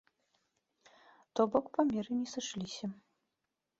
То бок, памеры не сышліся.